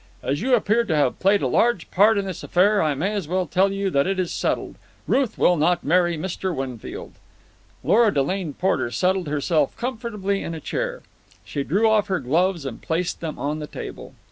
As you appear to have played a large part in this affair, I may as well tell you that it is settled. Ruth will not marry Mr. Winfield." Lora Delane Porter settled herself comfortably in a chair. She drew off her gloves and placed them on the table.